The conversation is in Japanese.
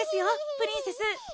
プリンセス